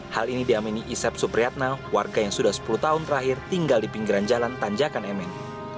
hal ini diamini isep supriyatna warga yang sudah sepuluh tahun terakhir tinggal di pinggiran jalan tanjakan emen